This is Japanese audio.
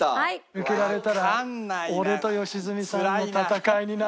抜けられたら俺と良純さんの戦いになるなあ。